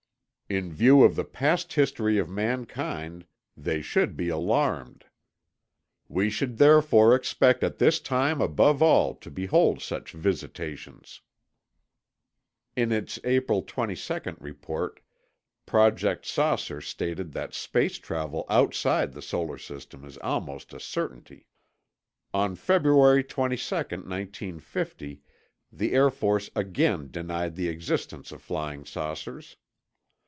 In view of the past history of mankind, they should be alarmed. We should therefore expect at this time above all to behold such visitations." (In its April 22 report, Project "Saucer" stated that space travel outside the solar system is almost a certainty.) On February 22, 1950, the Air Force again denied the existence of flying saucers.